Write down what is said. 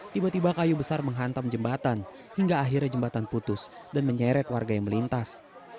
tiba tiba kayu besar menghantam jembatan hingga akhirnya jembatan putus dan menyeret warga yang melintas